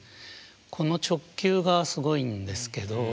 この直球がすごいんですけど。